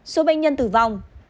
số bệnh nhân tử vong